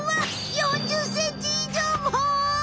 ４０ｃｍ以上も！？